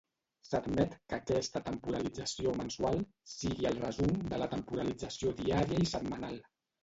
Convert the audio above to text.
S'admet que aquesta temporalització mensual sigui el resum de la temporalització diària i setmanal.